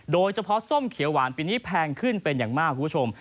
ส้มเขียวหวานปีนี้แพงขึ้นเป็นอย่างมากคุณผู้ชม